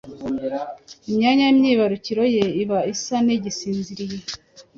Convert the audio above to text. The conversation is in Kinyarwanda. imyanya myibarukiro ye iba isa n’igisinziriye.